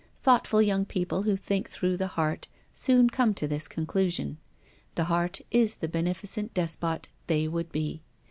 Thoughtful young people who think through the heart soon come to this conclusion. The heart is the beneficent despot they would be.